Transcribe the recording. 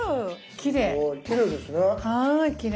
きれいですね。